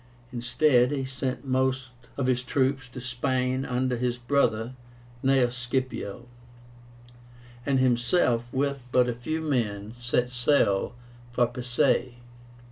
Instead, he sent most of his troops to Spain under his brother Gnaeus Scipio, and himself, with but a few men, set sail for Pisae.